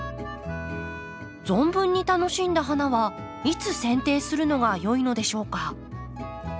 存分に楽しんだ花はいつせん定するのがよいのでしょうか？